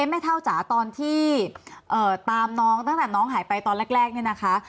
แม่เท่าจ๋าตอนที่ตามน้องตั้งแต่น้องหายไปตอนแรกเนี่ยนะคะ